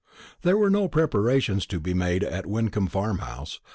There were no preparations to be made at Wyncomb Farmhouse.